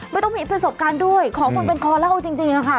ไม่ต้องมีประสบการณ์ด้วยขอคนเป็นคอเล่าจริงค่ะ